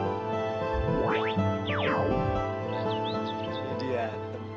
ini dia tempat yang lebih tempat buat aku